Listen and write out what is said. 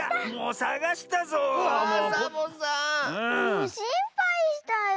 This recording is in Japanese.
もうしんぱいしたよ。